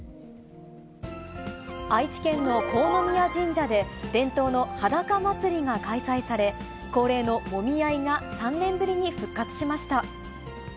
愛知県の国府宮神社で伝統のはだか祭が開催され、恒例のもみ合いが３年ぶりに復活しました。